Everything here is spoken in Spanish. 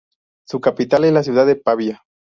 Su capital es la ciudad de Pavía.